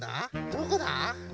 どこだ？